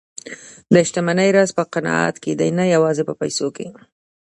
د شتمنۍ راز په قناعت کې دی، نه یوازې په پیسو کې.